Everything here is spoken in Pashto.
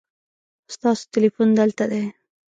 ستاسو تلیفون دلته دی